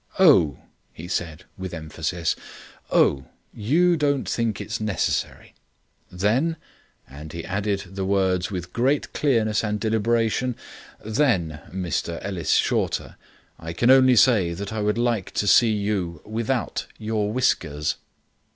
"Oh," he said, with emphasis. "Oh you don't think it necessary; then," and he added the words with great clearness and deliberation, "then, Mr Ellis Shorter, I can only say that I would like to see you without your whiskers."